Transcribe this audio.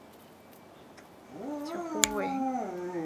不如纹上条形码，到时候付钱还方便